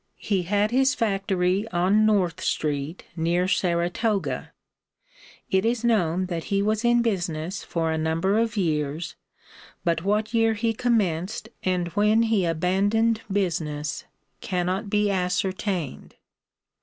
He had his factory on North street near Saratoga. It is known that he was in business for a number of years, but what year he commenced and when he abandoned business cannot be ascertained.